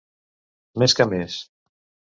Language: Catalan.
Més que més.